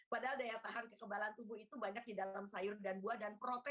padahal daya tahan kekebalan tubuh itu banyak di dalam sayur dan buah dan juga di dalam minuman